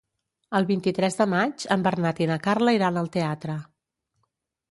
El vint-i-tres de maig en Bernat i na Carla iran al teatre.